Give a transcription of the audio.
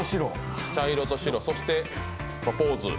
茶色と白、そしてポーズ。